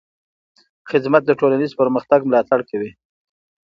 خدمت د ټولنیز پرمختګ ملاتړ کوي.